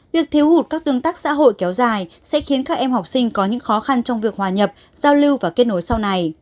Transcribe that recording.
việc thiếu hụt các tương tác xã hội kéo dài sẽ khiến các em học sinh có những khó khăn trong việc hòa nhập giao lưu và kết nối sau này